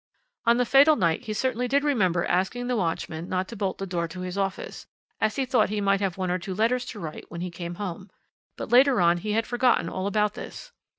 "On the fatal night he certainly did remember asking the watchman not to bolt the door to his office, as he thought he might have one or two letters to write when he came home, but later on he had forgotten all about this.